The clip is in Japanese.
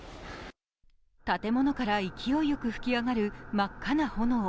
建物から勢いよく噴き上がる真っ赤な炎。